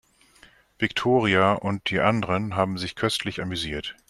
Viktoria und die anderen haben sich köstlich amüsiert.